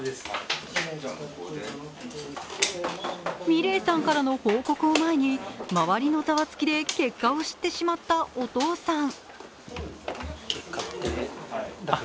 美礼さんからの報告を前に周りのざわつきで結果を知ってしまったお父さん。